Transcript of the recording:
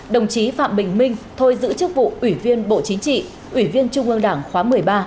đồng chí phạm bình minh thôi giữ chức vụ ủy viên bộ chính trị ủy viên trung ương đảng khóa một mươi ba